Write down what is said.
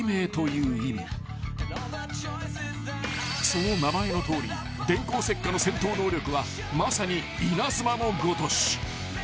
［その名前のとおり電光石火の戦闘能力はまさに稲妻のごとし］